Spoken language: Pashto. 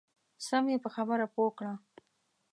سم یې په خبره پوه کړه.